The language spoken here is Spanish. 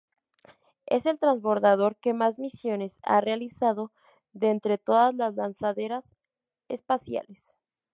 Es el transbordador que más misiones ha realizado de entre todas las lanzaderas espaciales.